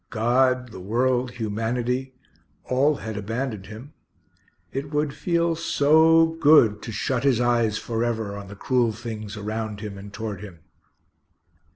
God, the world, humanity all had abandoned him. It would feel so good to shut his eyes forever on the cruel things around him and toward him.